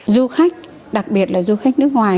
du khách đặc biệt là du khách nước ngoài